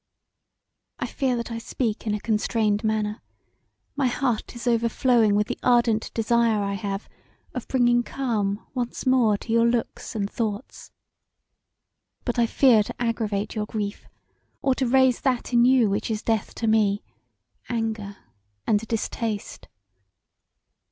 "I fear that I speak in a constrained manner: my heart is overflowing with the ardent desire I have of bringing calm once more to your thoughts and looks; but I fear to aggravate your grief, or to raise that in you which is death to me, anger and distaste.